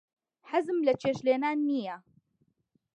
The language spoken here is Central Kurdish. حەزم لە چێشت لێنان نییە.